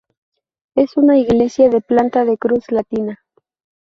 Es una iglesia de planta de cruz latina.